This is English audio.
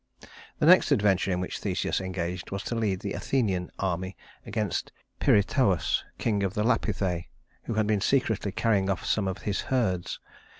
The next adventure in which Theseus engaged was to lead the Athenian army against Pirithous, king of the Lapithæ, who had been secretly carrying off some of his herds.